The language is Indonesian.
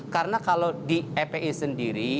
karena kalau di epi sendiri